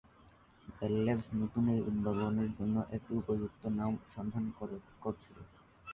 Bell Labs নতুন এই উদ্ভাবনের জন্য একটি উপযুক্ত নাম সন্ধান করছিল।